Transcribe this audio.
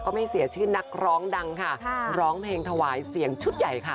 ไม่เสียชื่อนักร้องดังค่ะร้องเพลงถวายเสียงชุดใหญ่ค่ะ